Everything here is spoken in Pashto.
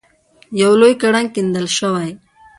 یو لوی کړنګ کیندل شوی.